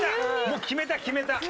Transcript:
もう決めた決めた。